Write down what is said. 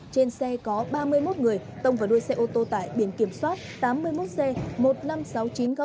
trên xe có ba mươi một người tông vào đuôi xe ô tô tại biển kiểm soát tám mươi một c một mươi năm nghìn sáu trăm chín mươi